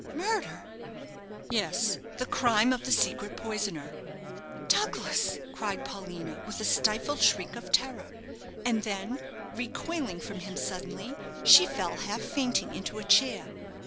"Murder?" "Yes; the crime of the secret poisoner!" "Douglas!" cried Paulina, with a stifled shriek of terror; and then, recoiling from him suddenly, she fell half fainting into a chair.